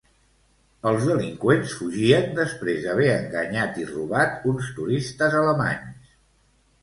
Els delinqüents fugien després d'haver enganyat i robat uns turistes alemanys.